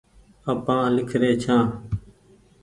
آپآن ليکري ڇآن